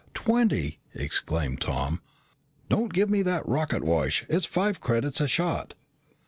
"Twenty!" exclaimed Tom. "Don't give me that rocket wash! It's five credits a shot."